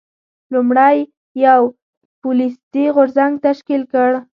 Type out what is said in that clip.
لومړی یو پوپلیستي غورځنګ تشکیل کړ.